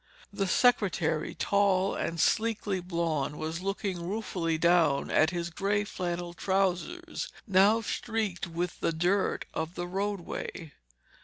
The secretary, tall and sleekly blond, was looking ruefully down at his grey flannel trousers, now streaked with the dirt of the roadway.